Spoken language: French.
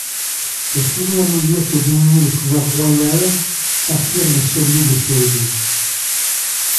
Au fur et à mesure que diminue le pouvoir royal s'affirme celui des féodaux.